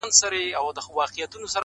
دا څه سِر دی په لاسونو د انسان کي!.